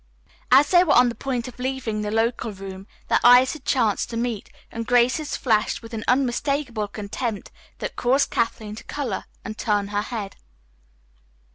As they were on the point of leaving the local room their eyes had chanced to meet, and Grace's flashed with an unmistakable contempt that caused Kathleen to color and turn her head.